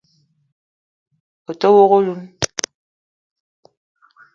O te wok oloun